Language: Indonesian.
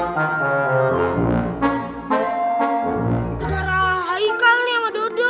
ngerah ikal nih sama dodo